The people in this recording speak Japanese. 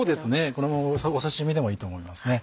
このまま刺し身でもいいと思いますね。